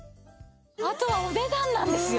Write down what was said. あとはお値段なんですよ。